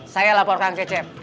saya laporkan ke cep